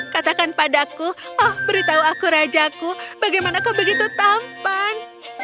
katakan padaku oh beritahu aku rajaku bagaimana kau begitu tampan